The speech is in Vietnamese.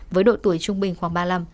với độ tuổi trung bình khoảng ba mươi năm